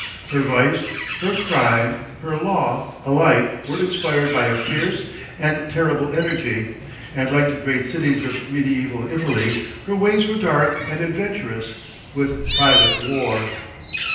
Her vice, her crime, her law alike were inspired by a fierce and terrible energy, and like the great cities of mediaeval Italy, her ways were dark and adventurous with private war.